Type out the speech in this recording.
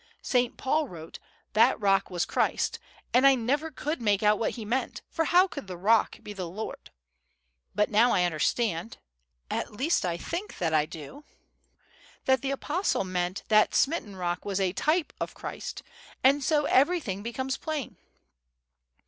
St. Paul wrote 'that Rock was Christ,' and I never could make out what he meant, for how could the rock be the Lord? But now I understand, at least I think that I do, that the Apostle meant 'that smitten rock was a TYPE of Christ,' and so everything becomes plain."